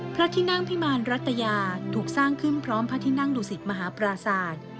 พระที่นั่งพิมารรัตยาถูกสร้างขึ้นพร้อมพระที่นั่งดุสิตมหาปราศาสตร์